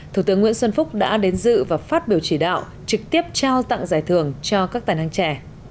thủ tướng nguyễn xuân phúc đã đến dự và phát biểu chỉ đạo trực tiếp trao tặng giải thưởng cho các tài năng trẻ